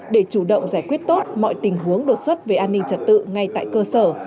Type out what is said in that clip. để chủ động giải quyết tốt mọi tình huống đột xuất về an ninh trật tự ngay tại cơ sở